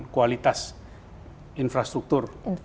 kualitas infrastruktur baik dan baik yang tersebut